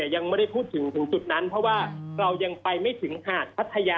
ยังไม่ได้พูดถึงถึงจุดนั้นเพราะว่าเรายังไปไม่ถึงหาดพัทยา